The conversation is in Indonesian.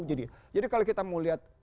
jadi kalau kita mau liat